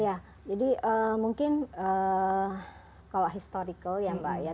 ya jadi mungkin kalau historical ya mbak ya